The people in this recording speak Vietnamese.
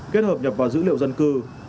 kết hợp nhập vào dữ liệu dân cư